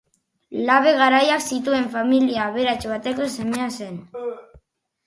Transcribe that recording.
Labe garaiak zituen familia aberats bateko semea zen.